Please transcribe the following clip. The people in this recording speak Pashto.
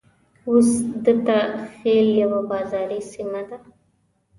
اوس دته خېل يوه بازاري سيمه ده.